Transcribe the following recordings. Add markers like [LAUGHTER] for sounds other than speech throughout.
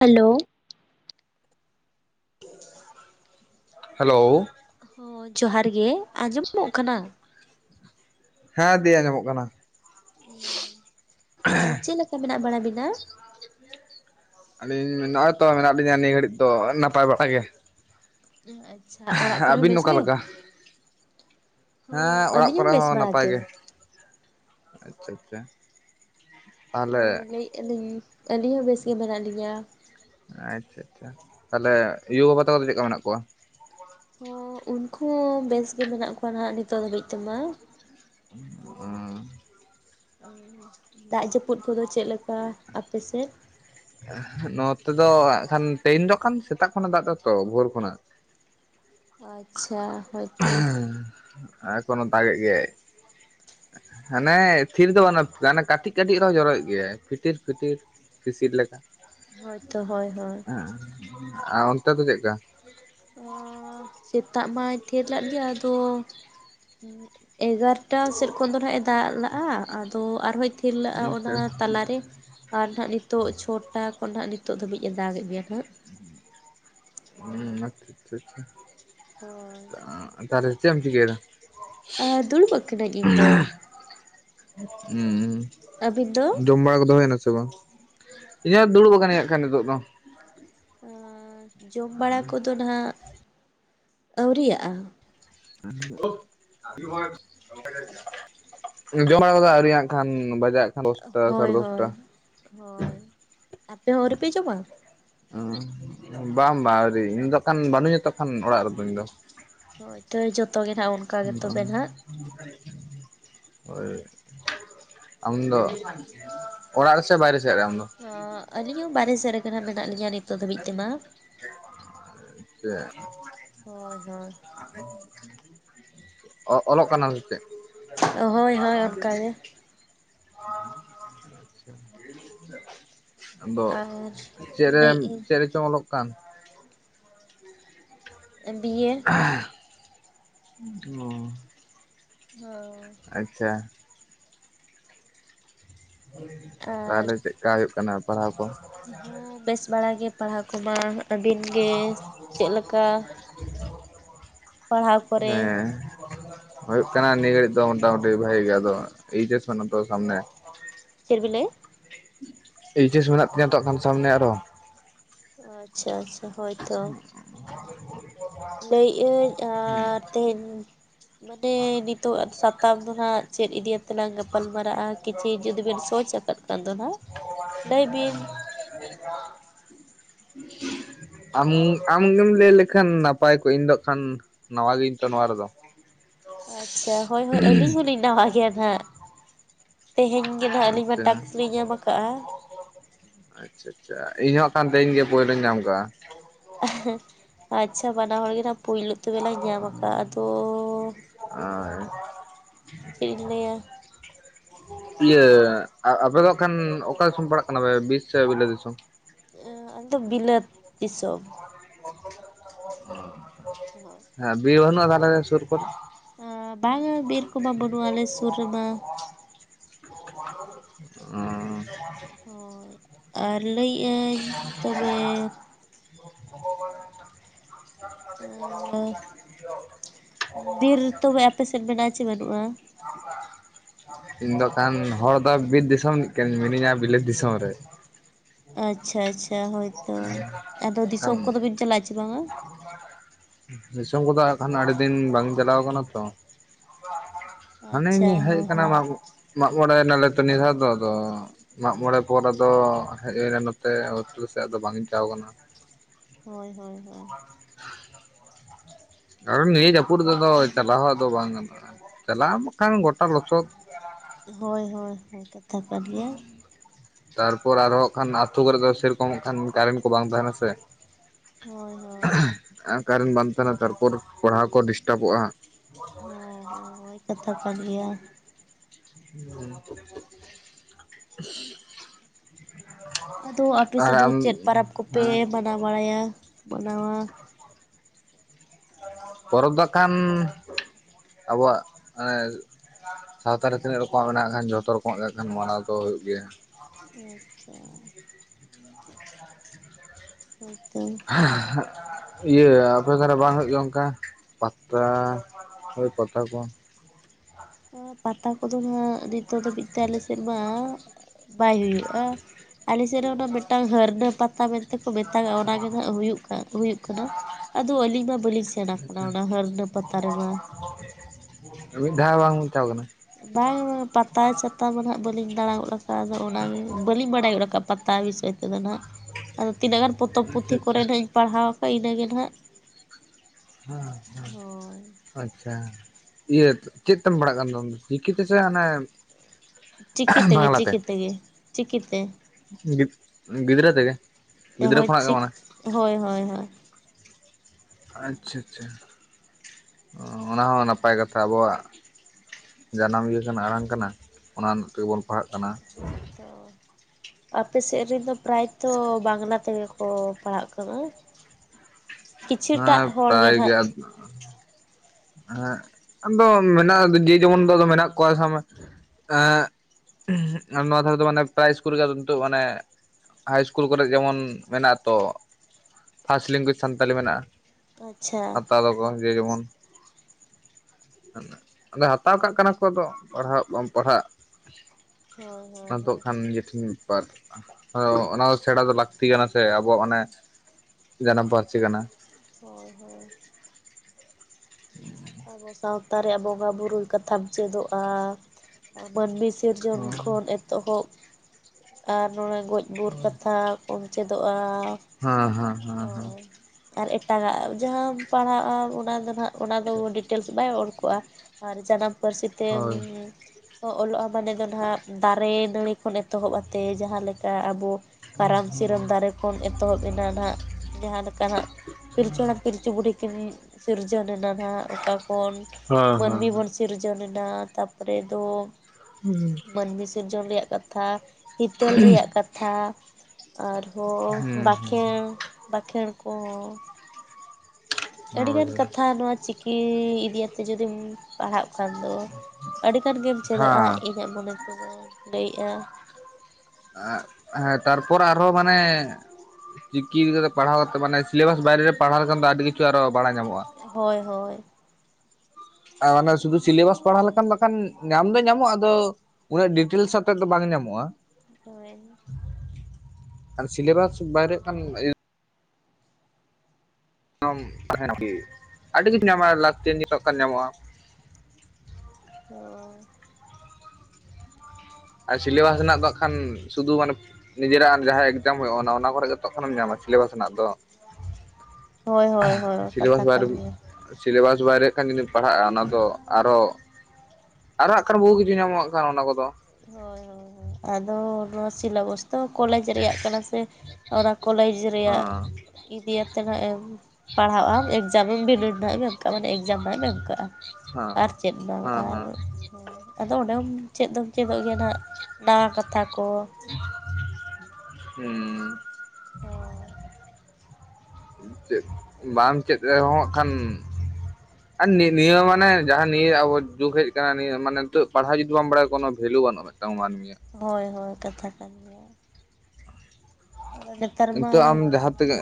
Hello hello ᱦᱚᱸ ᱡᱚᱦᱟᱨ ᱜᱮ ᱟᱸᱡᱚᱢᱚᱜ ᱠᱟᱱᱟ ᱦᱮᱸ ᱫᱤ ᱟᱡᱚᱢ ᱧᱟᱢᱚᱜ ᱠᱟᱱᱟ ᱟᱻ ᱪᱮᱫ ᱞᱮᱠᱟ ᱢᱮᱱᱟᱜ ᱵᱟᱲᱟ ᱵᱤᱱᱟ ᱟᱹᱞᱤᱧ ᱱᱚᱜ-ᱚᱭ ᱛᱚ ᱢᱮᱱᱟᱜ ᱞᱤᱧᱟ ᱱᱤᱭᱟᱹ ᱜᱷᱟᱹᱲᱤᱡ ᱫᱚ ᱱᱟᱯᱟᱭ ᱵᱟᱲᱟ ᱜᱮ ᱟᱪᱪᱷᱟ ᱚᱲᱟᱜ ᱠᱚᱨᱮ ᱦᱚᱸ ᱟᱹᱵᱤᱱ ᱵᱮᱥ ᱚᱠᱟ ᱜᱮ ᱞᱮᱠᱟ ᱦᱚ ᱦᱮᱸ ᱚᱲᱟᱜ ᱟᱹᱞᱤᱧ ᱠᱚᱨᱮ ᱦᱚᱸ ᱵᱮᱥ ᱵᱟᱲᱟ ᱱᱟᱯᱟᱭ ᱜᱮ ᱟᱪᱪᱷᱟ ᱟᱪᱪᱷᱟ ᱛᱟᱦᱚᱞᱮ ᱦᱳᱭ ᱞᱟᱹᱭᱟᱜ ᱟᱹᱞᱤᱧ ᱟᱹᱞᱤᱧ ᱦᱚᱸ ᱵᱮᱥ ᱜᱮ ᱢᱮᱱᱟᱜ ᱞᱤᱧᱟ ᱟᱪᱪᱷᱟ ᱟᱪᱪᱷᱟ ᱛᱟᱦᱚᱞᱮ ᱭᱳ ᱵᱟᱵᱟ ᱛᱟᱠᱚ ᱫᱚ ᱪᱮᱫ ᱞᱮᱠᱟ ᱢᱮᱱᱟᱜ ᱠᱚᱣᱟ ᱦᱚᱸ ᱩᱱᱠᱩ ᱦᱚᱸ ᱵᱮᱥ ᱜᱮ ᱢᱮᱱᱟᱜ ᱠᱚᱣᱟ ᱱᱟᱦᱟᱜ ᱱᱤᱛᱚᱜ ᱫᱷᱟᱹᱵᱤᱡ ᱛᱮᱢᱟ ᱚᱻ ᱚᱻ ᱫᱟᱜ ᱡᱟᱹᱯᱩᱫ ᱠᱚᱫᱚ ᱪᱮᱫ ᱞᱮᱠᱟ ᱟᱯᱮ ᱥᱮᱫ ᱱᱚᱛᱮ ᱫᱚ ᱟᱠᱷᱟᱱ ᱛᱮᱦᱮᱱ ᱫᱚ ᱟᱠᱷᱟᱱ ᱥᱮᱛᱟᱜ ᱠᱷᱚᱱᱟᱜ ᱫᱟᱜ ᱫᱟ ᱛᱚ ᱵᱷᱳᱨ ᱠᱷᱚᱱᱟᱜ ᱟᱪᱪᱷᱟ ᱦᱳᱭᱛᱳ ᱦᱮᱸ [UNINTELLIGIBLE] ᱦᱮᱸ ᱮᱠᱚᱱᱱᱳ ᱫᱟᱜᱮᱜ ᱜᱮᱭᱟᱭ ᱦᱟᱱᱮ ᱛᱷᱤᱨ ᱫᱚ ᱵᱟᱹᱱᱩᱜᱮ ᱠᱟᱹᱴᱤᱡ ᱠᱟᱹᱴᱤᱡ ᱨᱮᱦᱚᱸ ᱡᱚᱨᱚᱭᱮᱫ ᱜᱮᱭᱟᱭ ᱯᱷᱤᱛᱤᱨ ᱯᱷᱤᱛᱤᱨ ᱥᱤᱥᱤᱨ ᱞᱮᱠᱟ ᱦᱳᱭᱛᱚ ᱦᱳᱭ ᱦᱳᱭ ᱟᱨ ᱚᱱᱛᱮ ᱫᱚ ᱪᱮᱫᱠᱟ ᱚ ᱥᱮᱛᱟᱜ ᱢᱟᱭ ᱛᱷᱤᱨ ᱞᱮᱫ ᱜᱮᱭᱟ ᱟᱫᱚ ᱮᱜᱟᱨᱴᱟ ᱥᱮᱫ ᱠᱷᱚᱱ ᱫᱚ ᱱᱟᱦᱟᱜ ᱮ ᱫᱟᱜ ᱞᱟᱜᱼᱟ ᱟᱫᱚ ᱟᱨᱦᱚᱸ ᱛᱷᱤᱨ ᱞᱟᱹᱜᱼᱟ ᱚᱱᱟ ᱟᱪᱪᱷᱟ ᱛᱟᱞᱟᱨᱮ ᱟᱨ ᱱᱷᱟᱜ ᱱᱤᱛᱚᱜ ᱪᱷᱚᱴᱟ ᱠᱷᱚᱱ ᱱᱷᱟᱜ ᱱᱤᱛᱚᱜ ᱫᱷᱟᱹᱵᱤᱡ ᱮ ᱫᱟᱜᱮᱫ ᱜᱮᱭᱟ ᱱᱷᱟᱜ ᱩᱸ ᱟᱪᱪᱷᱟ ᱟᱪᱪᱷᱟ ᱟᱪᱪᱷᱟ [UNINTELLIGIBLE] ᱦᱳᱭ ᱛᱟᱨᱮ ᱪᱮᱫ ᱮᱢ ᱪᱤᱠᱟᱹᱭ ᱫᱟ ᱟ ᱫᱩᱲᱩᱵ ᱟᱹᱠᱟᱹᱱᱟᱹᱧ ᱤᱧ ᱫᱚ ᱩᱸ ᱟᱹᱵᱤᱱ ᱫᱚ ᱡᱚᱢ ᱵᱟᱲᱟ ᱠᱚ ᱫᱚ ᱦᱩᱭ ᱱᱟ ᱥᱮ ᱵᱟᱝ ᱤᱧᱟᱹᱜ ᱫᱩᱲᱩᱵ ᱟᱠᱟᱱ ᱤᱧ ᱟᱠᱷᱟᱱ ᱱᱤᱛᱚᱜ ᱫᱚ ᱩᱸ ᱡᱚᱢ ᱵᱟᱲᱟ ᱠᱚᱫᱚ ᱱᱷᱟᱜ ᱟᱹᱣᱨᱤᱭᱟᱜᱼᱟ [UNINTELLIGIBLE] ᱡᱚᱢ ᱵᱲᱟ ᱟᱹᱣᱨᱤᱟᱜ ᱠᱷᱟᱱ ᱵᱟᱡᱟᱜ ᱠᱷᱟᱱ ᱫᱚᱥᱴᱟ ᱦᱳᱭ ᱥᱟᱲᱮ ᱫᱚᱥᱴᱟ ᱦᱳᱭ ᱦᱳᱭ ᱟᱯᱮ ᱦᱚᱸ ᱟᱣᱨᱤ ᱯᱮ ᱡᱚᱢᱟ ᱚ ᱵᱟᱝ ᱵᱟᱝ ᱟᱹᱣᱨᱤ ᱤᱧ ᱫᱚ ᱦᱟᱸᱜ ᱠᱷᱟᱱ ᱵᱟᱹᱱᱩᱧᱟ ᱛᱚ ᱠᱷᱟᱱ ᱚᱲᱟᱜ ᱨᱮᱫᱚ ᱤᱧ ᱫᱚ ᱦᱳᱭ ᱛᱚ ᱡᱚᱛᱚ ᱜᱮ ᱱᱷᱟᱜ ᱚᱱᱠᱟ ᱜᱮ ᱛᱚᱵᱮ ᱱᱷᱟᱜ ᱦ [INAUDIBLE] [UNINTELLIGIBLE] ᱦᱳᱭ ᱟᱢ ᱫᱚ ᱚᱲᱟᱜ ᱨᱮᱥᱮ ᱵᱟᱭᱨᱮ ᱥᱮᱫ ᱨᱮ ᱟᱢ ᱫᱚ ᱚᱸ ᱟᱹᱞᱤᱧ ᱦᱚᱸ ᱵᱟᱨᱦᱮ ᱥᱮᱫ ᱨᱮᱜᱮ ᱱᱷᱟᱜ ᱢᱮᱱᱟᱜ ᱞᱤᱧᱟᱹ ᱱᱤᱛᱚᱜ ᱫᱷᱟᱹᱵᱤᱡ ᱛᱮᱢᱟ ᱟ ᱪᱮᱫ [UNINTELLIGIBLE] ᱦᱳᱭ ᱦᱳᱭ ᱟ [UNINTELLIGIBLE] ᱚᱜ ᱚᱞᱚᱜ ᱠᱟᱱᱟᱢ ᱥᱮ ᱪᱮᱫ ᱦᱳᱭ ᱦᱳᱭ ᱚᱱᱠᱟ ᱜᱮ ᱟᱪᱪᱷᱟ ᱟᱫᱚ ᱟᱨ ᱪᱮᱫ ᱨᱮᱢ ᱞᱟᱹᱭᱮᱜ ᱪᱮᱫ ᱨᱮᱪᱚᱢ ᱚᱞᱚᱜ ᱠᱟᱱ ᱵᱤ ᱮ ᱟᱦ ᱚ ᱦᱚᱸ ᱟᱪᱪᱷᱟ ᱟᱨ ᱛᱟᱦᱚᱞᱮ ᱪᱮᱫᱠᱟ ᱦᱩᱭᱩᱜ ᱠᱟᱱᱟ ᱯᱟᱲᱦᱟᱣ ᱠᱚ ᱦᱚᱸ ᱵᱮᱥ ᱵᱟᱲᱟᱜᱮ ᱯᱟᱲᱦᱟᱣ ᱠᱚᱢᱟ ᱟᱹᱵᱤᱱ ᱜᱮ ᱪᱮᱫ ᱞᱮᱠᱟ ᱯᱟᱲᱦᱟᱣ ᱠᱚᱨᱮ ᱦᱮᱸ [UNINTELLIGIBLE] ᱦᱩᱭᱩᱜ ᱠᱟᱱᱟ ᱱᱤᱭᱟᱹ ᱜᱷᱟᱹᱲᱤᱡ ᱫᱚ ᱢᱚᱴᱟ ᱢᱩᱴᱤ ᱵᱷᱟᱹᱜᱤ ᱜᱮᱭᱟ ᱟᱫᱚ ᱮᱭᱪ ᱮᱥ ᱠᱟᱱᱟ ᱛᱚ ᱥᱟᱢᱱᱮ ᱪᱮᱫ ᱵᱤᱱ ᱞᱟᱹᱭᱼᱟ ᱮᱭᱪ ᱮᱥ ᱢᱮᱱᱟᱜ ᱛᱤᱧᱟᱹ ᱛᱚ ᱠᱷᱟᱱ ᱥᱟᱢᱱᱮ ᱟᱨᱚ ᱚ ᱟᱪᱪᱷᱟ ᱟᱪᱪᱷᱟ ᱦᱳᱭᱛᱚ [UNINTELLIGIBLE] ᱞᱟᱹᱭ ᱟᱹᱧ ᱟᱨ ᱛᱮᱦᱮᱹᱧ ᱢᱟᱱᱮ ᱱᱤᱛ ᱛᱚᱜ ᱥᱟᱛᱟᱢ ᱫᱚ ᱱᱷᱟᱜ ᱪᱮᱫ ᱤᱫᱤ ᱭᱟᱛᱮᱞᱟᱝ ᱜᱟᱯᱟᱞ ᱢᱟᱨᱟᱜᱼᱟ ᱠᱤᱪᱷᱤ ᱡᱩᱫᱤ ᱵᱤᱱ ᱥᱚᱪ ᱟᱠᱟᱫ ᱠᱷᱟᱱ ᱫᱚ ᱱᱷᱟᱜ ᱞᱟᱹᱭ ᱵᱤᱱ [UNINTELLIGIBLE] ᱟᱢ ᱟᱢ ᱜᱮᱢ ᱞᱟᱹᱭ ᱞᱮᱠᱷᱟᱱ ᱱᱟᱯᱟᱭ ᱠᱚᱜᱼᱟ ᱤᱧ ᱫᱚ ᱦᱟᱸᱜ ᱠᱷᱟᱱ ᱱᱟᱣᱟ ᱜᱤᱭᱟᱹᱧ ᱛᱚ ᱱᱚᱣᱟ ᱨᱮᱫᱚ ᱟᱪᱪᱷᱟ ᱦᱳᱭ ᱦᱳᱭ ᱟᱹᱞᱤᱧ ᱦᱚᱸᱞᱤᱧ ᱱᱟᱣᱟ ᱜᱮᱭᱟ ᱱᱷᱟᱜ ᱛᱮᱦᱮᱹᱧ ᱜᱮ ᱱᱷᱟᱜ ᱟᱹᱞᱤᱧ ᱢᱟ ᱟᱪᱪᱷᱟ ᱴᱟᱠᱥ ᱞᱤᱧ ᱧᱟᱢ ᱟᱠᱟᱜᱼᱟ ᱟᱪᱪᱷᱟ ᱟᱪᱪᱷᱟ ᱤᱧ ᱦᱚᱸ ᱟᱜ ᱠᱷᱟᱱ ᱛᱮᱦᱮᱧ ᱜᱮ ᱯᱳᱭᱞᱳᱧ ᱧᱟᱢ ᱟᱠᱟᱜᱼᱟ ᱟᱸ ᱟᱪᱪᱷᱟ ᱵᱟᱱᱟ ᱦᱚᱲ ᱜᱮ ᱱᱷᱟᱜ ᱯᱳᱭᱞᱳ ᱛᱚᱵᱮ ᱞᱟᱝ ᱧᱟᱢ ᱟᱠᱟᱫᱼᱟ ᱟᱫᱚ ᱦᱚᱭ [UNINTELLIGIBLE] ᱪᱮᱫ ᱤᱧ ᱞᱟᱹᱭᱟ ᱤᱭᱟᱹ ᱟᱯᱮ ᱫᱚ ᱦᱟᱜ ᱠᱷᱟᱱ ᱚᱠᱟ ᱫᱤᱥᱚᱢ ᱯᱟᱲᱟᱜ ᱠᱟᱱᱟᱮ ᱵᱤᱥ ᱥᱮ ᱵᱞ ᱫᱤᱥᱚᱢ ᱟᱫᱚ ᱵᱤᱞᱟᱹᱛ ᱫᱤᱥᱚᱢ᱾ [UNINTELLIGIBLE] [INAUDIBLE] ᱦᱮᱸ ᱵᱤᱨ ᱵᱟᱹᱱᱩᱜᱼᱟ ᱛᱟᱦᱚᱞᱮ ᱥᱩᱨ ᱠᱚᱨᱮ? ᱵᱟᱝ ᱵᱤᱨ ᱠᱚᱢᱟ ᱵᱟᱹᱱᱩᱜᱼᱟ ᱟᱞᱮ ᱥᱩᱨ ᱨᱮᱢᱟ᱾ [UNINTELLIGIBLE] ᱦᱳᱭ ᱟᱨ ᱞᱟᱹᱭᱮᱫ ᱟᱹᱧ ᱛᱚᱵᱮ ᱵᱤᱨ ᱛᱚᱵᱮ ᱟᱯᱮ ᱥᱮᱫ ᱢᱮᱱᱟᱜᱼᱟ ᱪᱮ ᱵᱟᱹᱱᱩᱜᱼᱟ? ᱤᱧ ᱫᱚᱠᱷᱟᱱ ᱦᱚᱲ ᱫᱚ ᱵᱤᱨ ᱫᱤᱥᱚᱢ ᱨᱤᱱᱤᱡ ᱠᱟᱹᱱᱤᱧ ᱢᱤᱱᱟᱹᱧᱟ ᱵᱤᱞᱟᱹᱛ ᱫᱤᱥᱚᱢ ᱨᱮ ᱟᱪᱪᱷᱟ ᱟᱪᱪᱷᱟ ᱦᱳᱭᱛᱚ ᱟᱫᱚ ᱠᱷᱟᱱ ᱫᱤᱥᱚᱢ ᱠᱚᱫᱚᱵᱤᱱ ᱪᱟᱞᱟᱜᱼᱟ ᱥᱮ ᱵᱟᱝᱟ [UNINTELLIGIBLE] ᱫᱤᱥᱚᱢ ᱠᱚᱫᱚᱜ ᱠᱷᱟᱱ ᱟᱹᱰᱤ ᱫᱤᱱ ᱵᱟᱝ ᱪᱟᱞᱟᱣ ᱠᱟᱱᱟ ᱛᱚ ᱟᱪᱪᱷᱟ ᱦᱟᱱᱮᱧ ᱦᱮᱡ ᱦᱳᱭ ᱟᱠᱟᱱᱟ ᱢᱟᱜ ᱢᱟᱜ ᱢᱚᱲᱮ ᱭᱮᱱᱟᱞᱮ ᱛᱚ ᱱᱤᱭᱮ ᱫᱷᱟ ᱫᱚ ᱟᱫᱚ ᱢᱟᱜ ᱢᱚᱲᱮ ᱯᱚᱨ ᱟᱫᱚ ᱦᱮᱡ ᱮᱱᱟ ᱱᱚᱛᱮ ᱦᱳᱴᱮᱞ ᱥᱮᱫ ᱟᱫᱚ ᱵᱟᱝ ᱪᱟᱵᱟ ᱟᱠᱟᱱᱟ ᱦᱳᱭ ᱦᱳᱭ ᱦᱮ ᱠᱟᱨᱚᱱ ᱱᱤᱭᱟᱹ ᱡᱟᱹᱯᱩᱫ ᱨᱮᱚ ᱪᱟᱞᱟᱣ ᱦᱚᱸ ᱟᱫᱚ ᱵᱟᱝ ᱜᱟᱱᱚᱜᱼᱟ, ᱪᱟᱞᱟᱜᱼᱟᱢ ᱵᱟᱠᱷᱟᱱ ᱜᱚᱴᱟ ᱞᱚᱥᱚᱫ ᱦᱳᱭ ᱦᱳᱭ ᱦᱳᱭ ᱠᱟᱛᱷᱟ ᱠᱟᱱ ᱜᱮᱭᱟ, ᱛᱟᱨᱯᱚᱨ ᱟᱨᱦᱸ ᱦᱟᱜ ᱠᱷᱟᱱᱛᱳ ᱠᱚᱨᱮ ᱫᱚ ᱥᱮᱨᱚᱠᱚᱢ ᱦᱸ ᱠᱷᱟᱱ ᱠᱟᱨᱮᱱᱴ ᱠᱚ ᱵᱟᱝ ᱛᱟᱦᱮᱱᱟ ᱥᱮ, ᱦᱳᱭ ᱦᱳᱭ ᱠᱟᱨᱮᱱᱴ ᱵᱟᱝ ᱛᱟᱦᱮᱱᱟ ᱛᱟᱨᱯᱚᱨ ᱯᱟᱲᱦᱟᱣ ᱠᱚ ᱰᱤᱥᱴᱟᱵᱚᱜᱼᱟ᱾ ᱦᱚᱸ ᱦᱚᱸ ᱠᱟᱛᱷᱟ ᱠᱟᱱ ᱜᱮᱭᱟ᱾ [UNINTELLIGIBLE] ᱟᱫᱚ ᱟᱯᱮ ᱟᱨ ᱥᱮᱫ ᱫᱚ ᱟᱢ ᱪᱮᱫ ᱯᱚᱨᱚᱵᱽ ᱠᱚᱯᱮ ᱦᱮᱸ ᱢᱟᱱᱟᱣ ᱵᱟᱲᱟᱭᱟ ᱢᱟᱱᱟᱣᱟ? ᱯᱚᱨᱚᱵᱽ ᱫᱚ ᱠᱷᱟᱱ ᱟᱵᱚᱣᱟᱜ ᱢᱟᱱᱮ, ᱥᱟᱶᱛᱟ ᱨᱮ ᱛᱤᱱᱟᱹᱜ ᱨᱚᱠᱚᱢᱟᱜ ᱢᱮᱱᱟᱜ ᱠᱷᱟᱱ ᱡᱷᱚᱛᱚ ᱨᱚᱠᱚᱢᱟᱜ ᱠᱟᱜ ᱠᱷᱟᱱ ᱢᱟᱱᱟᱣ ᱫᱚ ᱦᱩᱭᱩᱜ ᱜᱮᱭᱟ᱾ ᱟᱪᱪᱷᱟ ᱦᱳᱭᱛᱳ [UNINTELLIGIBLE] ᱤᱭᱟᱹ ᱟᱯᱮ ᱫᱷᱟᱨᱟ ᱵᱟᱝ ᱦᱩᱭᱩᱜ ᱜᱮ ᱚᱱᱠᱟ ᱯᱟᱛᱟᱳᱭ ᱯᱟᱛᱟ ᱠᱚ? ᱯᱟᱛᱟ ᱠᱚᱫᱚ ᱦᱟᱜ ᱱᱤᱛᱚᱜ ᱫᱷᱟᱹᱵᱤᱡ ᱛᱮ ᱟᱞᱮ ᱥᱮᱫ ᱢᱟ, ᱵᱟᱭ ᱦᱩᱭᱩᱜᱼᱟ ᱟᱞᱮᱥᱮᱫ ᱨᱮ ᱚᱱᱟ ᱢᱤᱫᱴᱟᱝ ᱦᱟᱹᱨᱱᱟᱹ ᱯᱟᱛᱟ ᱢᱮᱱᱛᱮ, ᱢᱮᱛᱟᱜᱼᱟ ᱚᱱᱟ ᱜᱮ ᱱᱟᱜ ᱦᱩᱭᱩᱜ ᱦᱩᱭᱩᱜ ᱠᱟᱱᱟ᱾ ᱟᱫᱚ ᱟᱹᱞᱤᱧ ᱢᱟ ᱵᱟᱹᱞᱤᱧ ᱥᱮᱱ ᱟᱠᱟᱱᱟ ᱟᱪᱪᱷᱟ ᱚᱱᱟ ᱦᱟᱨᱱᱟ ᱯᱟᱛᱟ ᱨᱮᱢᱟ᱾ [UNINTELLIGIBLE] ᱢᱤᱫ ᱫᱷᱟᱣ ᱵᱟᱝ [UNINTELLIGIBLE] ᱠᱟᱱᱟ ᱵᱟᱝ ᱵᱟᱝ ᱯᱟᱛᱟ ᱪᱷᱟᱛᱟ ᱫᱚ ᱦᱟᱜ ᱵᱟᱹᱞᱤᱧ ᱫᱟᱬᱟ ᱜᱚᱫ ᱟᱠᱟᱫᱼᱟ ᱟᱫᱚ ᱚᱱᱟᱜᱮ ᱵᱟᱹᱞᱤᱧ ᱵᱟᱲᱟᱭ ᱜᱚᱫ ᱠᱟ ᱯᱟᱛᱟ ᱵᱤᱥᱚᱭ ᱛᱮᱫᱚ ᱱᱟᱦᱟᱜ ᱟᱫᱚ ᱛᱤᱱᱟᱹᱜ ᱜᱟᱱ ᱯᱚᱛᱚᱵᱽ ᱯᱩᱛᱷᱤ ᱟᱪᱪᱷᱟ ᱠᱚᱨᱮ ᱟᱪᱪᱷᱟ ᱱᱟᱜ ᱤᱧ ᱯᱟᱲᱦᱟᱣ ᱟᱠᱟᱫ ᱤᱱᱟᱹᱜᱮ ᱱᱟᱦᱟᱜ, ᱦᱮᱸ ᱦᱮᱸ ᱦᱳᱭ᱾ [UNINTELLIGIBLE] ᱟᱪᱪᱷᱟ ᱤᱭᱟᱹ ᱪᱮᱫ ᱛᱮᱢ ᱯᱲᱟᱜ ᱠᱟᱱ ᱛᱮ ᱟᱢ ᱫᱚ? ᱪᱤᱠᱤ ᱛᱮᱥᱮ ᱟᱱᱮ, ᱪᱤᱠᱤ ᱛᱮ ᱜᱮ ᱪᱤᱠᱤ ᱛᱮ ᱜᱮ ᱪᱤᱠᱤᱛᱮ᱾ ᱜᱤᱫ ᱜᱤᱫᱽᱨ ᱛᱮ ᱜᱮ, ᱜᱤᱫᱽᱨᱟᱹ ᱦᱳᱭ ᱠᱷᱚᱱᱟᱜ ᱪᱤᱠ ᱢᱟᱱᱮ ᱦᱳᱭ ᱦᱳᱭ ᱦᱳᱭ ᱟᱪᱪᱷᱟ ᱟᱪᱪᱷᱟ ᱚᱱᱟ ᱦᱚᱸ ᱱᱟᱯᱟᱭ ᱠᱟᱛᱷᱟ ᱟᱵᱚᱣᱟᱜ᱾ ᱡᱟᱱᱟᱢ ᱤᱭᱟᱹ ᱠᱟᱱᱟ ᱟᱲᱟᱝ ᱠᱟᱱᱟ ᱚᱱᱟ ᱛᱮᱜᱮᱵᱚᱱ ᱯᱟᱲᱦᱟᱜ ᱠᱟᱱᱟ᱾ ᱦᱳᱭ ᱛᱚ ᱟᱯᱮ ᱥᱮᱫ ᱨᱮᱱᱫᱚ ᱯᱨᱟᱭᱛᱚ ᱵᱟᱝᱞᱟ ᱛᱮᱜᱮ ᱠᱚ ᱯᱟᱲᱦᱟᱜ ᱠᱟᱱᱟ᱾ ᱠᱤᱪᱷᱩ ᱴᱟᱜ ᱦᱮᱸ ᱦᱚᱲ ᱜᱮ ᱯᱨᱟᱭ ᱦᱟᱜ ᱦᱮᱸ ᱟᱫᱚ ᱢᱮᱱᱟᱜ ᱡᱮ ᱡᱮᱢᱚᱱ ᱫᱚ ᱢᱮᱱᱟᱜ ᱠᱚᱣᱟ ᱥᱟᱵ ᱢᱮ ᱮᱸ ᱱᱚᱣᱟ ᱫᱷᱟᱨᱮ ᱫᱚ ᱢᱟᱱᱮ ᱯᱨᱟᱭ ᱤᱥᱠᱩᱞ ᱠᱚᱨᱮ ᱢᱟᱱᱮ ᱦᱟᱭ ᱤᱥᱠᱩᱞ ᱠᱚᱨᱮᱫ ᱡᱮᱢᱚᱱ ᱢᱮᱱᱟᱜ ᱟᱛᱚ ᱯᱷᱟᱥᱴ ᱞᱮᱝᱜᱩᱭᱮᱡᱽ ᱥᱟᱱᱛᱟᱞᱤ ᱢᱮᱱᱟᱜᱼᱟ᱾ ᱟᱪᱪᱷᱟ ᱦᱟᱛᱟᱣ [INAUDIBLE] ᱟᱵᱚᱱ ᱜᱮ ᱜᱮᱜᱟᱵᱚᱱ ᱼᱼ ᱦᱟᱛᱟᱣ ᱠᱟᱜ ᱠᱟᱱᱟ ᱠᱚ ᱟᱫᱚ ᱯᱟᱲᱦᱟᱜ ᱵᱟᱢ ᱯᱟᱲᱦᱟᱜ ᱼᱼ ᱦᱳᱭ ᱦᱳᱭ ᱟᱫᱚ ᱦᱳᱭ ᱠᱷᱟᱱ ᱱᱤᱡᱮᱴᱷᱮᱱ ᱵᱟᱴ ᱦᱳᱭ ᱚᱱᱟ ᱥᱮᱬᱟ ᱫᱚ ᱞᱟᱹᱠᱛᱤ ᱠᱟᱱᱟ ᱥᱮ ᱟᱵᱚᱣᱟᱜ ᱚᱱᱮ ᱼᱼ ᱡᱟᱱᱟᱢ ᱯᱟᱹᱨᱥᱤ ᱠᱟᱱᱟ। ᱦᱳᱭ ᱦᱳᱭ [INAUDIBLE] ᱛᱟᱯᱚᱨ [INAUDIBLE] ᱥᱟᱶ [UNINTELLIGIBLE] ᱞᱟᱛᱟᱨ ᱨᱮᱭᱟᱜ ᱵᱚᱸᱜᱟ ᱵᱩᱨᱩ ᱠᱟᱛᱷᱟᱢ ᱪᱮᱫᱚᱜᱼᱟ ᱢᱟᱹᱱᱢᱤ ᱥᱤᱨᱡᱚᱱ ᱠᱷᱚᱱ ᱼᱼ ᱮᱛᱚᱦᱚᱵ ᱟᱨ ᱱᱚᱰᱮ ᱜᱚᱡᱽ ᱵᱩᱨ ᱠᱟᱛᱷᱟ ᱠᱚᱢ ᱪᱮᱫᱚᱜᱼᱟ। ᱦᱮᱸ ᱦᱮᱸ ᱦᱳᱭ ᱟᱨ ᱮᱴᱟᱜᱟᱜ ᱡᱟᱦᱟᱸᱟᱢ ᱯᱟᱲᱦᱟᱜᱼᱟ ᱚᱱᱟ ᱫᱚ ᱱᱟᱦᱟᱜ ᱚᱱᱟ ᱫᱚ ᱵᱤ ᱼᱼ ᱴᱮᱞᱥ ᱵᱟᱭ ᱚᱞᱠᱜᱼᱟ ᱟᱨ ᱡᱟᱱᱟᱢ ᱯᱟᱹᱨᱥᱤ ᱦᱮᱸ ᱦᱮᱸ ᱦᱮᱸ ᱛᱮᱢ ᱦᱳᱭ ᱚ-ᱚᱞᱚᱜᱼᱟ ᱼᱼ ᱢᱟᱱᱮ ᱫᱚ ᱦᱜ ᱫᱟᱨᱮ ᱱᱟᱹᱲᱤ ᱠᱷᱚᱱ ᱮᱛᱚᱦᱚᱵ ᱟᱛᱮᱫ ᱡᱟᱦᱟᱸ ᱞᱮᱠᱟ ᱟᱵᱚ ᱼᱼ ᱠᱟᱨᱟᱢ ᱥᱤᱨᱟᱹᱢ ᱫᱟᱨᱮ ᱠᱷᱚᱱ ᱮᱛᱚᱦᱚᱵ ᱮᱱᱟ ᱱᱦᱟᱜ ᱡᱟᱦᱟᱸ ᱞᱮᱠᱟᱱᱷᱟᱜ ᱯᱤᱞᱪᱩ ᱦᱟᱲᱟᱢ ᱯᱤᱞᱪᱩ ᱵᱩᱦ ᱠᱤᱱ ᱼᱼ ᱥᱤᱨᱡᱚᱱ ᱮᱱᱟ ᱱᱷᱟᱜ ᱚᱠᱟ ᱠᱷᱚᱱ ᱦᱮᱸ ᱦᱮᱸ ᱢᱟᱹᱱᱢᱤ ᱦᱮᱸ ᱵᱚᱱ ᱼᱼ ᱥᱤᱨᱡᱚᱱ ᱮᱱᱟ ᱛᱟᱯᱨᱮ ᱫᱚ ᱼᱼ ᱦᱩᱸ ᱢᱟᱹᱱᱢᱤ ᱥᱤᱨᱡᱚᱱ ᱨᱮᱭᱟᱜ ᱠᱟᱛᱷᱟ ᱦᱤᱛᱟᱹᱞ ᱨᱮᱭᱟᱜ ᱠᱟᱛᱷᱟ ᱟᱨᱦᱚᱸ ᱦᱩᱸ ᱵᱟᱠᱷᱮᱸᱲ ᱵᱟᱠᱷᱮᱸᱬ ᱠᱚ ᱦᱳᱭ ᱦᱳᱭ ᱟᱹᱰᱤᱜᱟᱱ ᱠᱟᱛᱷᱟ ᱱᱚᱣᱟ ᱪᱤᱠᱤ ᱤᱫᱤᱭᱟᱛᱮ ᱡᱩᱫᱤᱢ ᱼᱼ ᱯᱟᱲᱦᱟᱣᱜ ᱠᱷᱟᱱ ᱫᱚ ᱟᱹᱰᱤᱜᱟᱱ ᱜᱮᱢ ᱪᱮᱫᱚᱜᱼᱟ ᱦᱮᱸ ᱤᱧᱟᱹᱜ ᱢᱚᱱᱮ ᱛᱮᱫᱚᱧ ᱞᱟᱹᱭᱮᱜᱼᱟ। ᱟᱷ ᱦᱮᱸ ᱛᱟᱨᱯᱚᱨ ᱟᱨᱦᱚᱸ ᱢᱟᱱᱮ ᱼᱼ ᱪᱤᱠᱤ ᱤᱫᱤ ᱠᱟᱛᱮ ᱯᱟᱲᱦᱟᱣ ᱠᱟᱛᱮ ᱪᱤᱠᱤ ᱠᱚᱫᱚ ᱢᱟᱱᱮ ᱥᱤᱞᱮᱵᱟᱥ ᱵᱟᱨᱮ ᱨᱮ ᱯᱟᱲᱦᱟᱣ ᱞᱮᱠᱷᱟᱱ ᱫᱚ ᱟᱹᱰᱤ ᱠᱤᱪᱷᱩ ᱟᱨᱚ ᱵᱟᱲᱟᱭ ᱧᱟᱢᱚᱜᱼᱟ। ᱦᱳᱭ ᱦᱳᱭ ᱟ ᱥᱩᱫᱷᱩ ᱥᱤᱞᱮᱵᱟᱥ ᱯᱟᱲᱦᱟᱣ ᱞᱮᱠᱷᱟᱱ ᱵᱟᱠᱷᱟᱱ ᱧᱟᱢ ᱫᱚ ᱧᱟᱢᱚᱜᱼᱟ ᱟᱫᱚ ᱼᱼ ᱩᱱᱟᱹᱜ ᱰᱤᱴᱮᱞᱥ ᱟᱛᱮᱫ ᱫᱚ ᱵᱟᱝ ᱧᱟᱢᱚᱜᱼᱟ। ᱦᱳᱭ ᱟᱨ ᱥᱤᱞᱮᱵᱟᱥ ᱵᱟᱭᱨᱮ ᱠᱟᱱ ᱟᱢ ᱟᱹᱰᱤ ᱠᱤᱪᱷ ᱧᱟᱢᱚᱜᱟ ᱞᱟᱹᱠᱛᱤ ᱱᱤᱛᱚᱜ ᱠᱟᱱ ᱧᱟᱢᱚᱜᱼᱟ। ᱚ ᱟᱨ ᱥᱤᱞᱮᱵᱟᱥ ᱢᱮᱱᱟᱜ ᱫᱚ ᱥᱩᱫᱷᱩ ᱜᱟᱱᱮ ᱼᱼ ᱱᱤᱡᱮᱨᱟᱜ ᱡᱟᱦᱟᱸ ᱮᱠᱡᱟᱢ ᱦᱩᱭᱩᱜᱼᱟ ᱚᱱᱟ ᱚᱱᱟ ᱠᱚᱨᱮ ᱜᱮ ᱡᱚᱛᱚᱜ ᱠᱷᱚᱱᱮᱢ ᱧᱟᱢᱟ ᱥᱤᱞᱮᱵᱟᱥ ᱨᱮᱱᱟᱜ ᱫᱚ [INAUDIBLE] [INAUDIBLE] ᱦᱳᱭ ᱦᱳᱭ ᱥᱤᱞᱮᱵᱟᱥ ᱠᱟᱛᱷᱟ ᱵᱟᱭ ᱠᱟᱱ ᱨᱮ ᱜᱮᱭᱟ ᱥᱤᱞᱮᱵᱟᱥ ᱵᱟᱭ ᱨᱮ ᱠᱷᱟᱱ ᱡᱩᱫᱤᱢ ᱯᱟᱲᱦᱟᱜᱼᱟ ᱚᱱᱟ ᱫᱚ ᱟᱨᱚ ᱼᱼ ᱟᱨᱚ ᱦᱟᱸᱜ ᱠᱷᱟᱱ ᱵᱟᱹᱦᱩ ᱠᱤᱪᱷᱩ ᱧᱟᱢᱚᱜ ᱠᱟᱱ ᱚᱱᱟ ᱠᱚᱫᱚ ᱦᱳᱭ ᱦᱳᱭ ᱦᱳᱭ ᱟᱫᱚ ᱱᱚᱣᱟ ᱥᱤᱞᱟᱵᱚᱥ ᱼᱼ ᱛᱚ ᱠᱚᱞᱮᱡᱽ ᱨᱮᱭᱟᱜ ᱠᱟᱱᱟ ᱥᱮ᱾ ᱚᱱᱟ ᱠᱚᱞᱮᱡᱽ ᱦᱮᱸ ᱨᱮᱭᱟᱜ ᱼᱼ ᱤᱫᱤᱭᱟᱛᱮᱫ ᱦᱟᱸᱜ ᱮᱢ ᱯᱟᱲᱦᱟᱜᱼᱟᱢ ᱮᱫᱤ ᱭᱟᱛᱮ ᱢᱟᱱᱮ ᱯᱟᱲᱦᱟ ᱮᱠᱡᱟᱢᱮᱢ ᱵᱤᱱᱤᱰ ᱟᱜ ᱮᱢᱠᱟᱜᱼᱟ ᱢᱟᱱᱮ ᱮᱠᱡᱟᱢ ᱦᱟᱸᱜ ᱮᱢ ᱮᱢᱠᱟᱜᱼᱟ। ᱦᱮᱸ ᱟᱨ ᱪᱮᱫ ᱵᱟᱝ ᱦᱮᱸ ᱟᱨ ᱦᱮᱸ ᱟᱫᱚ ᱚᱸᱰᱮ ᱦᱚᱸᱢ ᱪᱮᱫ ᱫᱚ ᱼᱼ ᱪᱮᱫᱚᱜ ᱜᱮᱭᱟ ᱱᱷᱟᱜ ᱱᱟᱣᱟ ᱠᱟᱛᱷᱟ ᱠᱚ ᱦᱩᱸ ᱦᱳᱭ ᱪᱮᱫ ᱵᱟᱢ ᱪᱮᱫ ᱨᱮᱦᱚᱸᱜ ᱠᱷᱟᱱ ᱼᱼ ᱟᱨ ᱱᱤ ᱱᱤᱭᱟᱹ ᱢᱟᱱᱮ ᱡᱟᱦᱟᱸ ᱱᱤᱭᱟᱹ ᱟᱨ ᱱᱤᱭᱟ ᱢᱟᱱᱮ ᱡᱟᱦᱟ ᱱᱤᱭᱟ ᱟᱵᱚ ᱡᱩᱜᱽ ᱦᱮᱡ ᱟᱠᱟᱱᱟ ᱱᱤᱭᱟᱹ ᱢᱟᱱᱮ ᱱᱤᱛᱚᱜ ᱯᱟᱲᱦᱟᱣ ᱡᱩᱫᱤ ᱵᱟᱢ ᱵᱟᱲᱟᱭᱟ ᱠᱳᱱᱳ ᱵᱷᱮᱞᱩ ᱵᱟᱹᱱᱩᱜ ᱼᱟ। [INAUDIBLE] ᱦᱳᱭ ᱦᱳᱭ ᱠᱟᱛᱷᱟ ᱠᱟᱱ ᱜᱮ। ᱱᱮᱛᱟᱨ ᱢᱟ ᱠᱤᱱᱛᱩ ᱟᱢ ᱡᱟᱦᱟᱸ ᱛᱤᱱᱟᱹᱜ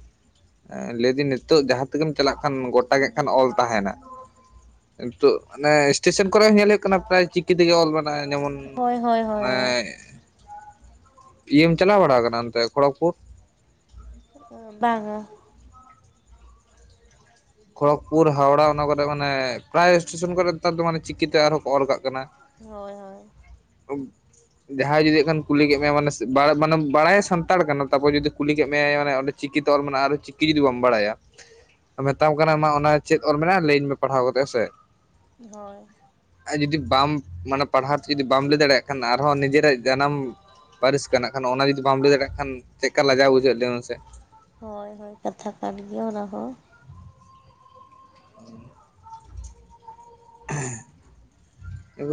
ᱼᱼ ᱮᱸ ᱞᱟᱹᱭᱫᱟᱹᱧ ᱱᱤᱛᱚᱜ ᱡᱟᱦᱟᱸ ᱛᱮᱜᱮᱢ ᱪᱟᱞᱟᱜ ᱠᱷᱟᱱ ᱜᱚᱴᱟᱜᱮ ᱠᱷᱟᱱ ᱚᱞ ᱛᱟᱦᱮᱱᱟ। ᱱᱤᱛᱚᱜ ᱚᱱᱮ ᱮᱥᱴᱮᱥᱚᱱ ᱠᱚᱨᱮ ᱦᱚᱸ ᱧᱮᱞ ᱦᱩᱭᱩᱜ ᱠᱟᱱᱟ ᱯᱨᱟᱭ ᱪᱤᱠᱤ ᱛᱮᱜᱮ ᱚᱞ ᱢᱮᱱᱟᱜᱼᱟ ᱡᱮᱢᱚᱱ ᱦᱳᱭ ᱦᱳᱭ ᱦᱩᱸ ᱦᱳᱭ ᱚᱱᱮ ᱦᱳᱭ ᱤᱭᱟᱹᱢ ᱪᱟᱞᱟᱣ ᱵᱟᱲᱟ ᱠᱟᱱᱟ ᱚᱱᱛᱮ ᱠᱷᱚᱲᱚᱜᱯᱩᱨ ᱚᱸ ᱵᱟᱝᱼᱟ ᱠᱷᱚᱲᱚᱜᱽᱯᱩᱨ ᱦᱟᱣᱲᱟ ᱚᱱᱟ ᱠᱚᱨᱮ ᱢᱟᱱᱮ ᱯᱨᱟᱭ ᱥᱴᱮᱥᱚᱱ ᱠᱚᱨᱮ ᱱᱮᱛᱟᱨ ᱫᱚ ᱢᱟᱱᱮ ᱪᱤᱠᱤᱛᱮ ᱟᱨᱦᱚᱸ ᱠᱚ ᱚᱞ ᱠᱟᱜ ᱠᱟᱱᱟ ᱦᱳᱭ ᱦᱳᱭ [INAUDIBLE] ᱡᱟᱦᱟᱸᱭ ᱡᱩᱫᱤ ᱦᱟᱸᱜ ᱠᱷᱟᱱ ᱠᱩᱞᱤ ᱠᱮᱫ ᱢᱮᱭᱟᱭ ᱢᱟᱱᱮ ᱥᱮ ᱵᱟ ᱢᱟᱱᱮ ᱵᱟᱲᱟᱭᱟᱭ ᱥᱟᱱᱛᱟᱲ ᱠᱟᱱᱟ ᱛᱟᱯᱚᱨ ᱡᱩᱫᱤ ᱠᱩᱞᱤ ᱠᱮᱫ ᱢᱮᱭᱟᱭ ᱢᱟᱱᱮ ᱚᱸ ᱪᱤᱠᱤ ᱛᱮ ᱚᱞ ᱢᱮᱱᱟᱜᱼᱟ ᱟᱨ ᱪᱤᱠᱤ ᱡᱩᱫᱤ ᱵᱟᱢ ᱵᱟᱲᱟᱭᱟ ᱢᱮᱛᱟᱢ ᱠᱟᱱᱟ ᱢᱟ ᱚᱱᱟ ᱪᱮᱫ ᱚᱞ ᱢᱮᱱᱟᱜᱼᱟ ᱞᱟᱹᱭᱤᱧ ᱢᱮ ᱯᱟᱲᱦᱟᱣ ᱠᱟᱛᱮᱫ ᱦᱮᱥᱮ ᱦᱳᱭ ᱟᱨ ᱡᱩᱫᱤ ᱵᱟᱢ ᱢᱟᱱᱮ ᱯᱟᱲᱦᱟᱣ ᱛᱮ ᱡᱩᱫᱤ ᱵᱟᱢ ᱞᱟᱹᱭ ᱫᱟᱲᱮᱭᱟᱜ ᱠᱷᱟᱱ ᱟᱨᱦᱚᱸ ᱱᱤᱡᱮᱨᱟᱜ ᱡᱟᱱᱟᱢ ᱼᱼ ᱯᱟᱹᱨᱤᱥ ᱠᱟᱱᱟ ᱠᱷᱟᱱ ᱚᱱᱟ ᱡᱩᱫᱤ ᱵᱟᱢ ᱞᱟᱹᱭ ᱫᱟᱲᱮᱭᱟᱜ ᱠᱷᱟᱱ ᱪᱮᱫ ᱞᱮᱠᱟ ᱞᱟᱡᱟᱣ ᱵᱩᱡᱷᱟᱹᱣ ᱞᱮᱭ ᱢᱮ ᱥᱮ। ᱦᱳᱭ ᱦᱳᱭ ᱠᱟᱛᱷᱟ ᱠᱟᱱ ᱜᱮᱭᱟ ᱚᱱᱟ ᱦᱚᱸ ᱦᱩᱸ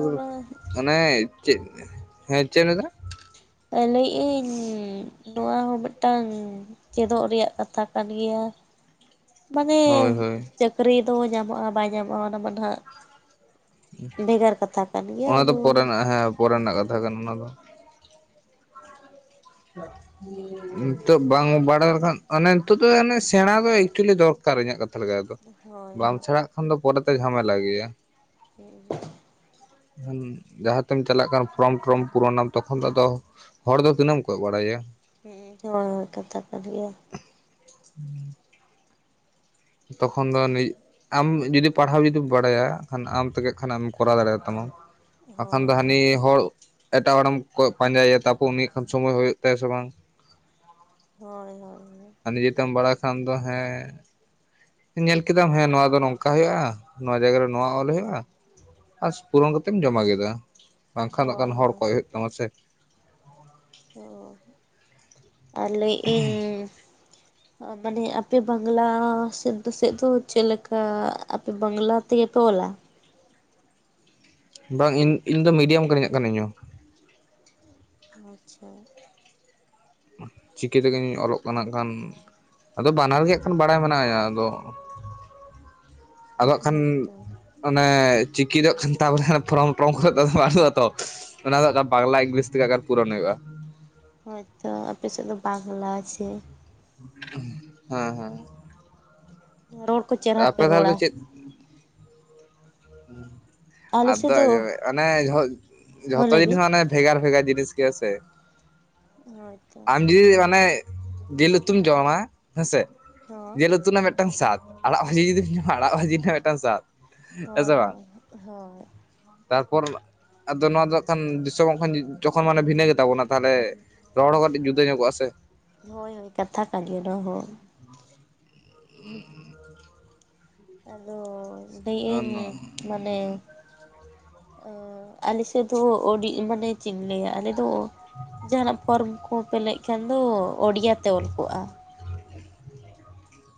ᱚᱱᱟ ᱟᱱᱮ ᱪᱮᱫ ᱦᱮᱸ ᱪᱮᱫ ᱮᱢ ᱞᱟᱹᱭᱮᱫᱟ ᱞᱟᱹᱭᱮᱜ ᱟᱹᱧ ᱱᱚᱣᱟ ᱦᱚᱸ ᱢᱤᱫᱴᱟᱝ ᱪᱮᱫᱚᱜ ᱨᱮᱭᱟᱜ ᱠᱟᱛᱷᱟ ᱠᱟᱱ ᱜᱮᱭᱟ ᱢᱟᱱᱮ ᱦᱳᱭ ᱦᱳᱭ ᱪᱟᱹᱠᱨᱤ ᱫᱚ ᱧᱟᱢᱚᱜᱼᱟ ᱵᱟᱭ ᱧᱟᱢᱚᱜᱼᱟ ᱚᱱᱟᱢᱟ ᱱᱟᱦᱟᱜ ᱵᱷᱮᱜᱟᱨ ᱠᱟᱛᱷᱟ ᱠᱟᱱ ᱜᱮᱭᱟ ᱚᱱᱟ ᱫᱚ ᱟᱫᱚ ᱯᱚᱨᱮᱱᱟᱜ ᱦᱮᱸ ᱯᱚᱨᱮᱱᱟᱜ ᱠᱟᱛᱷᱟ ᱠᱟᱱᱟ ᱚᱱᱟ ᱫᱚ [INAUDIBLE] ᱱᱤᱛᱚᱜ ᱵᱟᱝ ᱵᱟᱲᱟᱭ ᱞᱮᱠᱷᱟᱱ ᱚᱱᱮ ᱱᱤᱛᱚᱜ ᱫᱚ ᱮᱱᱮ ᱥᱮᱬᱟ ᱫᱚ ᱮᱠᱪᱩᱭᱮᱞᱤ ᱫᱚᱨᱠᱟᱨ ᱤᱧᱟᱹᱜ ᱠᱟᱛᱷᱟ ᱟᱭ ᱫᱚ ᱦᱳᱭ ᱵᱟᱢ ᱥᱮᱬᱟᱜ ᱠᱷᱟᱱ ᱫᱚ ᱯᱚᱨᱮᱛᱮ ᱡᱷᱟᱢᱮᱞᱟ ᱜᱮᱭᱟ ᱦᱮᱸ ᱡᱟᱦᱟᱸ ᱛᱮᱢ ᱪᱟᱞᱟᱜ ᱠᱟᱱ ᱯᱷᱨᱚᱢ ᱴᱨᱚᱢ ᱯᱩᱨᱚᱱᱟᱢ ᱛᱚᱠᱷᱚᱱ ᱫᱚ ᱟᱫᱚ ᱦᱚᱲ ᱫᱚ ᱛᱤᱱᱟᱹ ᱮᱢ ᱠᱚ ᱵᱟᱲᱟᱭᱟ ᱦᱩᱸ ᱦᱳᱭ ᱦᱳᱭ ᱠᱟᱛᱷᱟ ᱠᱟᱱ ᱜᱮᱭᱟ [INAUDIBLE] ᱛᱚᱠᱷᱚᱱ ᱫᱚ ᱱᱤᱡ ᱟᱢ ᱡᱩᱫᱤ ᱯᱟᱲᱦᱟᱣ ᱡᱩᱫᱤᱢ ᱵᱟᱲᱟᱭᱟ ᱟᱢ ᱛᱮᱜᱮ ᱠᱷᱟᱱ ᱟᱢ ᱠᱚᱨᱟᱣ ᱫᱟᱲᱮᱭᱟᱛᱟᱢᱟᱢ ᱵᱟᱠᱷᱟᱱ ᱫᱚ ᱦᱳᱭ ᱦᱟᱹᱱᱤ ᱦᱚᱲ ᱮᱴᱟᱜ ᱦᱚᱲᱮᱢ ᱠᱚᱭᱚᱜ ᱯᱟᱸᱡᱟᱭᱮᱭᱟ ᱛᱟᱯᱚᱨ ᱩᱱᱤ ᱠᱷᱟᱱ ᱥᱚᱢᱚᱭ ᱦᱩᱭᱩᱜ ᱛᱟᱭᱟ ᱥᱮ ᱵᱟᱝ ᱦᱳᱭ ᱦᱳᱭ ᱟᱨ ᱱᱤᱡᱮᱛᱮᱢ ᱵᱟᱲᱟᱭ ᱠᱷᱟᱱ ᱫᱚ ᱦᱮᱸ ᱧᱮᱞ ᱠᱮᱫᱟᱢ ᱦᱮᱸ ᱱᱚᱣᱟ ᱫᱚ ᱱᱚᱝᱠᱟ ᱦᱩᱭᱩᱜᱼᱟ ᱱᱚᱣᱟ ᱡᱟᱭᱜᱟ ᱨᱮ ᱱᱚᱣᱟ ᱚᱞ ᱦᱩᱭᱩᱜᱼᱟ ᱟᱨ ᱯᱩᱨᱩᱱ ᱠᱟᱛᱮᱢ ᱡᱚᱢᱟ ᱠᱮᱫᱟ ᱵᱟᱝᱠᱷᱟᱱ ᱟᱜ ᱦᱳᱭ ᱠᱷᱟᱱ ᱦᱚᱲ ᱦᱳᱭ ᱠᱚᱭᱚᱜ ᱦᱩᱭᱩᱜ ᱛᱟᱢᱟ ᱥᱮ ᱦᱚᱸ ᱟᱨ ᱞᱟᱹᱭᱮᱜ ᱤᱧ ᱢᱟᱱᱮ ᱟᱯᱮ ᱵᱟᱝᱞᱟ ᱥᱮᱫ ᱫᱚ ᱥᱮᱫ ᱫᱚ ᱪᱮᱫ ᱞᱮᱠᱟ ᱟᱯᱮ ᱵᱟᱝᱞᱟ ᱛᱮᱜᱮ ᱯᱮ ᱚᱞᱟ ᱵᱟᱝ ᱤᱧ ᱤᱧ ᱫᱚ ᱢᱤᱰᱤᱭᱟᱢ ᱠᱟᱹᱱᱟᱹᱧ ᱦᱟᱜᱠᱷᱟᱱ ᱤᱧ ᱫᱚ ᱟᱪᱪᱷᱟ ᱪᱤᱠᱤ ᱛᱤᱜᱤᱧ ᱚᱞᱚᱜ ᱠᱟᱱᱟ ᱦᱟᱹᱜ ᱠᱷᱟᱱ ᱟᱫᱚ ᱵᱟᱱᱟᱨ ᱜᱮ ᱦᱟᱸᱜ ᱠᱷᱟᱱ ᱵᱟᱲᱟᱭ ᱢᱮᱱᱟᱭᱟ ᱟᱫᱚ ᱟᱫᱚ ᱦᱟᱸᱜ ᱠᱷᱟᱱ ᱦᱳᱭᱛᱚ ᱚᱱᱮ ᱪᱤᱠᱤ ᱫᱚᱜ ᱠᱷᱟᱱ ᱛᱟᱵᱚᱞᱮ ᱯᱷᱨᱚᱢ ᱴᱨᱚᱢ ᱠᱚᱨᱮ ᱵᱟᱹᱱᱩᱜ ᱟᱛᱚ ᱚᱱᱟ ᱫᱚ ᱦᱟᱸᱜ ᱵᱟᱝᱞᱟ ᱤᱝᱞᱤᱥ ᱛᱮᱜᱮ ᱦᱟᱸᱜ ᱯᱩᱨᱚᱱ ᱦᱩᱭᱩᱜᱼᱟ ᱦᱳᱭᱛᱚ ᱟᱯᱮ ᱥᱮᱫ ᱫᱚ ᱵᱟᱝᱞᱟ ᱥᱮ ᱦᱮᱸ ᱦᱮᱸ ᱨᱚᱲ ᱠᱚ ᱪᱮᱨᱦᱟ ᱯᱮ ᱟᱯᱮ ᱫᱷᱟᱨᱮ ᱨᱚᱲᱟ ᱫᱚ ᱪᱮᱫ ᱟᱞᱮ ᱥᱮᱫ ᱟᱫᱚ ᱫᱚ ᱟᱸᱡᱚᱢ ᱢᱮ ᱚᱱᱮ ᱡᱷᱚᱛᱚ ᱦᱚᱸ ᱡᱷᱚᱛᱚ ᱞᱟᱹᱭ ᱡᱤᱱᱤᱥ ᱵᱤᱱ ᱢᱟᱱᱮ ᱵᱷᱮᱜᱟᱨ ᱵᱷᱮᱜᱟᱨ ᱡᱤᱱᱤᱥ ᱜᱮᱭᱟ ᱥᱮ ᱦᱳᱭᱛᱚ ᱟᱢ ᱡᱩᱫᱤ ᱢᱟᱱᱮ ᱡᱤᱞ ᱩᱛᱩᱢ ᱡᱚᱢᱟ ᱦᱮᱸᱥᱮ ᱦᱚᱸ ᱡᱤᱞ ᱩᱛᱩ ᱨᱮᱱᱟᱜ ᱢᱤᱫᱴᱟᱝ ᱥᱟᱫᱽ ᱟᱲᱟᱜ ᱵᱷᱟᱹᱡᱤ ᱡᱩᱫᱤᱢ ᱡᱚᱢᱟ ᱟᱲᱟᱜ ᱵᱷᱟᱹᱡᱤ ᱨᱮᱱᱟᱜ ᱢᱤᱫᱴᱟᱝ ᱥᱟᱫᱽ ᱦᱳᱭ ᱦᱳᱭ ᱛᱟᱨᱯᱚᱨ ᱟᱫᱚ ᱱᱚᱣᱟ ᱫᱚ ᱦᱟᱸᱜ ᱠᱷᱟᱱ ᱫᱤᱥᱚᱢ ᱡᱚᱠᱷᱚᱱ ᱢᱟᱱᱮ ᱵᱷᱤᱱᱟᱹ ᱜᱮᱛᱟᱵᱚᱱᱟ ᱛᱟᱦᱚᱞᱮ ᱨᱚᱲ ᱦᱚᱸ ᱠᱟᱹᱴᱤᱡ ᱡᱩᱫᱟᱹ ᱧᱚᱜᱚᱜᱼᱟ ᱥᱮ ᱦᱳᱭ ᱦᱳᱭ ᱠᱟᱛᱷᱟ ᱠᱟᱱ ᱜᱮ ᱫᱚ ᱦᱳ [UNINTELLIGIBLE] ᱟᱫᱚ ᱞᱟᱹᱭ ᱟᱹᱧ ᱢᱟᱱᱮ ᱟᱞᱮ ᱥᱮᱫ ᱫᱚ ᱟᱹᱰᱤ ᱢᱟᱱᱮ ᱪᱮᱫ ᱤᱧ ᱞᱟᱹᱭᱟ ᱟᱞᱮ ᱫᱚ ᱡᱟᱦᱟᱱᱟᱜ ᱯᱷᱚᱨᱚᱢ ᱠᱚᱯᱮ ᱞᱟᱹᱭ ᱠᱷᱟᱱ ᱫᱚ ᱳᱰᱤᱭᱟ ᱛᱮ ᱚᱞ ᱠᱚᱜᱼᱟ